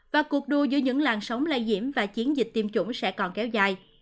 và cuộc đua giữa những làn sóng lây nhiễm và chiến dịch tiêm chủng sẽ còn kéo dài